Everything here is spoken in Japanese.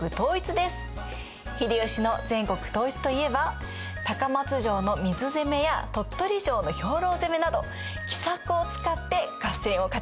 秀吉の全国統一と言えば高松城の水攻めや鳥取城の兵糧攻めなど奇策を使って合戦を勝ち抜いていったんですよね先生。